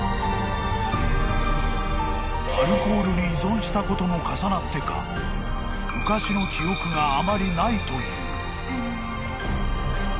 ［アルコールに依存したことも重なってか昔の記憶があまりないという］